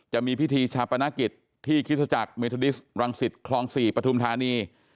จะมีพิธีชาปนกิจที่คริสตจักรเมทูดิสรังสิตคลอง๔ปฐุมธานี